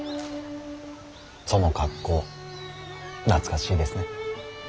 その格好懐かしいですね。